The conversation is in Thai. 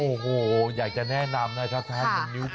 โอ้โหอยากจะแนะนำนะครับท่าน